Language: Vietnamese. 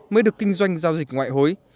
mới được kinh doanh giao dịch ngoại hối